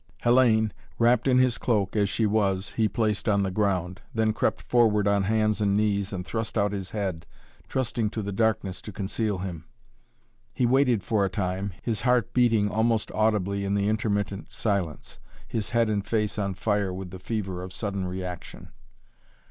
Hellayne, wrapped in his cloak, as she was, he placed on the ground, then crept forward on hands and knees and thrust out his head, trusting to the darkness to conceal him. He waited thus for a time, his heart beating almost audibly in the intermittent silence, his head and face on fire with the fever of sudden reaction.